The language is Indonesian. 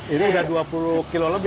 ini sudah dua puluh kilo lebih